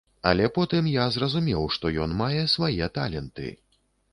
Але потым я зразумеў, што ён мае свае таленты.